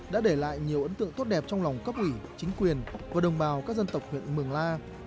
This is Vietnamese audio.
đã để lại nhiều ấn tượng tốt đẹp trong lòng cấp ủy chính quyền và đồng bào các dân tộc huyện mường la